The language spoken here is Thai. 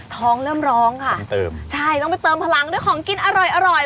ท้องเริ่มร้องค่ะต้องเติมใช่ต้องไปเติมพลังด้วยของกินอร่อยอร่อย